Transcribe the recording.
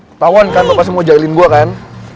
ketauan kan lo pasti mau jahilin gue kan